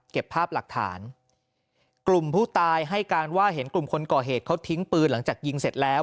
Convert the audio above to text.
ภาพหลักฐานกลุ่มผู้ตายให้การว่าเห็นกลุ่มคนก่อเหตุเขาทิ้งปืนหลังจากยิงเสร็จแล้ว